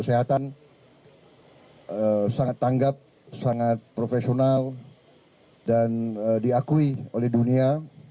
dan kesehatan sangat tanggap sangat profesional dan diakui oleh dunia